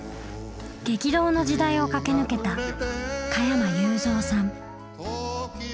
激動の時代を駆け抜けた加山雄三さん。